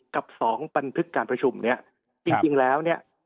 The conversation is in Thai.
กับสองบันทึกการประชุมเนี่ยจริงแล้วเนี่ย